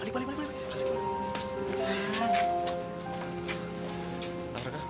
balik balik balik